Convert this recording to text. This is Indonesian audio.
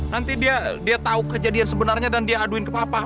nanti dia tahu kejadian sebenarnya dan dia aduin ke papa